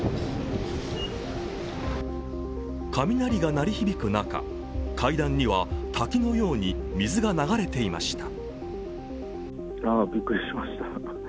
雷が鳴り響く中階段には滝のように水が流れていました。